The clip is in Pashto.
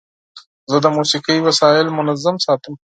زه د موسیقۍ وسایل منظم ساتم.